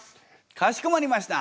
かしこまりました！